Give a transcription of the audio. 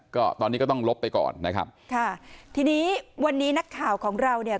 ก็ตอนนี้ก็ต้องลบไปก่อนนะครับค่ะทีนี้วันนี้นักข่าวของเราเนี่ย